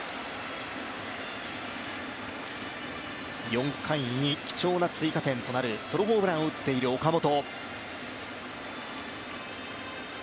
４回に貴重な追加点となるソロホームランを打っている岡本。